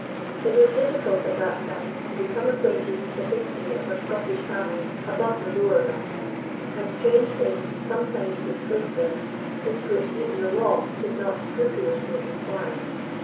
It was difficult at that time to become acquainted with the history of a Scottish family above the lower rank; and strange things sometimes took place there, into which even the law did not scrupulously inquire.